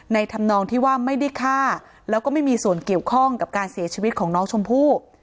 ธรรมนองที่ว่าไม่ได้ฆ่าแล้วก็ไม่มีส่วนเกี่ยวข้องกับการเสียชีวิตของน้องชมพู่